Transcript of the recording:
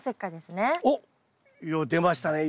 よっ出ましたね。